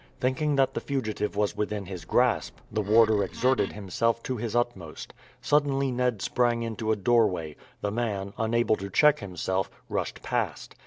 Thinking that the fugitive was within his grasp the warder exerted himself to his utmost. Suddenly Ned sprang into a doorway; the man, unable to check himself, rushed past.